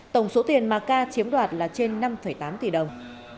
tổng số tiền mà ca chiếm đoạt là trên năm tám tỷ đồng